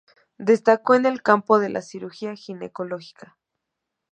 Destacó en el campo de la cirugía ginecológica.